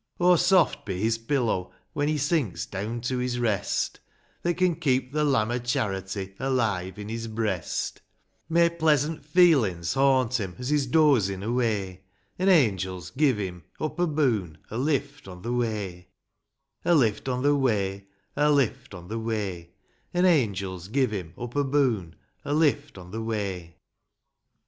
A LIFT ON THE WAY. 6 1 VI. Oh, soft be his pillow, when he sinks deawn to his rest, That can keep the lamp o' charity alive in his breast ; May pleasant feelin's haunt him as he's dozin' away, An' angels give him, up aboon,' a lift on the way: A lift on the way ; A lift on the way ; An' angels give him, up aboon, a lift on the way.